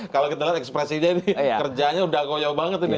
kalau kita lihat ekspresinya nih kerjanya udah goyo banget ini